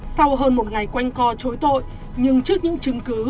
sau hơn một ngày quanh co chối tội nhưng trước những chứng cứ